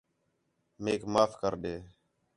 میک معاف کر ݙے